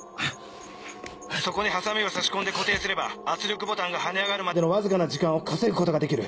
そこにハサミを差し込んで固定すれば圧力ボタンが跳ね上がるまでのわずかな時間を稼ぐことができる。